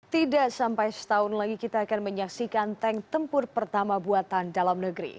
tidak sampai setahun lagi kita akan menyaksikan tank tempur pertama buatan dalam negeri